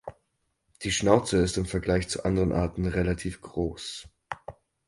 Die Schnauze ist im Vergleich zu anderen Arten relativ groß.